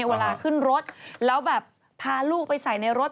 เวลาขึ้นรถแล้วแบบพาลูกไปใส่ในรถ